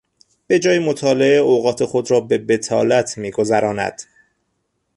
به جای مطالعه اوقات خود را به بطالت میگذراند.